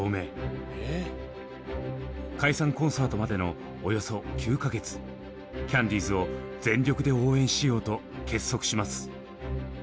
解散コンサートまでのおよそ９か月キャンディーズを全力で応援しようと結束します。